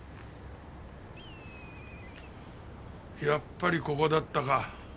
やっぱりここだったか。